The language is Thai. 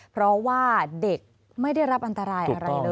เพราะว่าเด็กไม่ได้รับอันตรายอะไรเลย